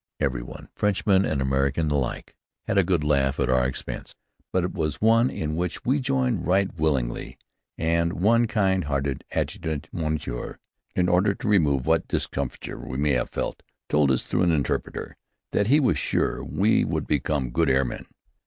Every one, Frenchmen and Americans alike, had a good laugh at our expense, but it was one in which we joined right willingly; and one kind hearted adjudant moniteur, in order to remove what discomfiture we may have felt, told us, through an interpreter, that he was sure we would become good air men.